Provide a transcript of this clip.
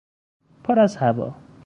پر از هوا